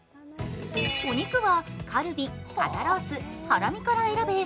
お肉はカルビ、肩ロース、ハラミから選べ